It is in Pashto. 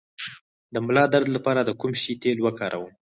د ملا درد لپاره د کوم شي تېل وکاروم؟